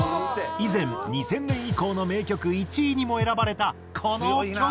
以前２０００年以降の名曲１位にも選ばれたこの曲。